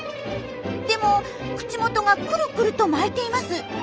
でも口元がクルクルと巻いています。